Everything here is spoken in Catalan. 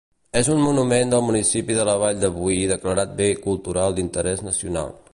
És un monument del municipi de la Vall de Boí declarat bé cultural d'interès nacional.